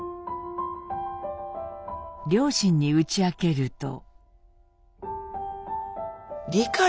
両親に打ち明けると。